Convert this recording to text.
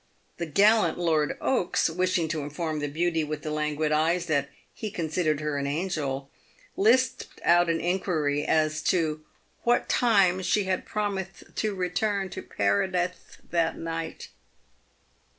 The gallant Lord Oaks, wishing to inform the beauty with the languid eyes that he considered her an angel, lisped out an inquiry as to " what time she had promithed to return to Paradith that night